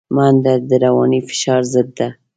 منډه د رواني فشار ضد ده